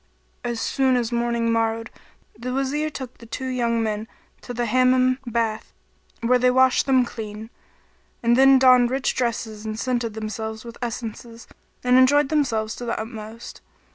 As soon as morning morrowed the Wazir took the two young men to the Hammam bath where they washed them clean; and they donned rich dresses and scented themselves with essences and enjoyed themselves to the utmost.